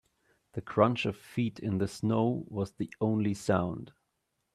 The crunch of feet in the snow was the only sound.